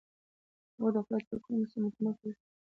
هغوی د خدای تکویني سنتونه کشف کړي.